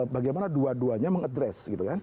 bagaimana dua duanya mengadres